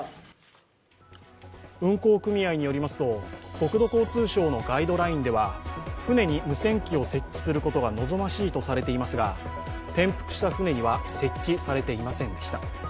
運航組合によりますと、国土交通省のガイドラインでは舟に無線機を設置することが望ましいとされていますが転覆した舟には設置されていませんでした。